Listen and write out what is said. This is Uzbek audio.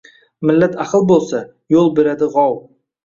Millat ahil bo’lsa – yo’l beradi g’ov